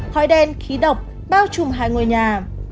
khói đen khí độc bao trùm hai ngôi nhà